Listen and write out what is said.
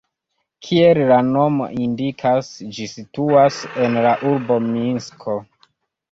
Kiel la nomo indikas, ĝi situas en la urbo Minsko.